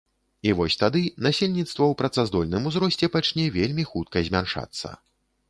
І вось тады насельніцтва ў працаздольным узросце пачне вельмі хутка змяншацца.